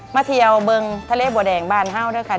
มาเที่ยวเมืองทะเลบัวแดงบาลเก่านะครับ